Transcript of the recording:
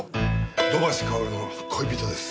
土橋かおるの恋人です。